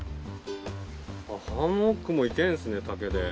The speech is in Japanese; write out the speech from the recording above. ハンモックも行けるんですね竹で。